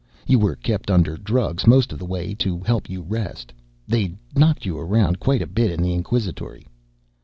You were kept under drugs most of the way to help you rest they'd knocked you around quite a bit in the inquisitory.